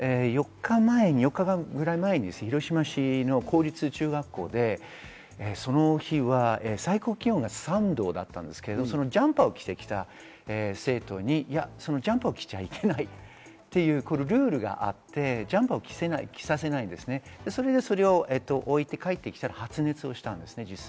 ４日前に広島市の公立中学校でその日は最高気温が３度だったんですけれど、ジャンパーを着て来た生徒にジャンパーを着ちゃいけないっていうルールがあって、ジャンパーを着させない、それを置いて帰ってきたら発熱したんです。